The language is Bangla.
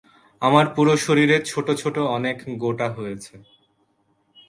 আমার পুরো শরীরে ছোট ছোট অনেক গোটা হয়েছে।